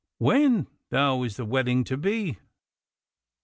When thou is the wedding to be?